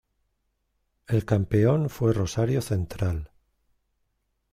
El campeón fue Rosario Central.